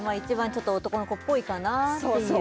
ちょっと男の子っぽいかなっていう